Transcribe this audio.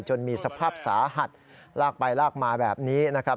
จนมีสภาพสาหัสลากไปลากมาแบบนี้นะครับ